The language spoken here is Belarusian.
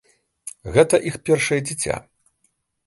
Гэта іх першае дзіця.